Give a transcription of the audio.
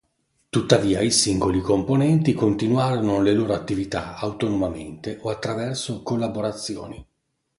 Tuttavia i singoli componenti, continuarono le loro attività autonomamente o attraverso collaborazioni.